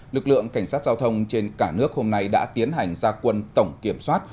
lực lượng cảnh sát giao thông trên cả nước hôm nay đã tiến hành gia quân tổng kiểm soát